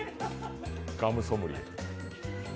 ガムソムリエ。